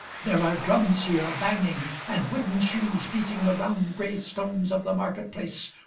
There are drums here, Banging, And wooden shoes beating the round, grey stones Of the market place.